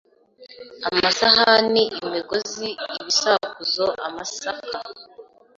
Amasahani imigozi ibisakuzo amasaka